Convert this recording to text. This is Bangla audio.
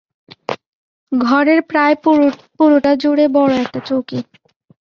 ঘরের প্রায় পুরোটা জুড়ে বড় একটা চৌকি।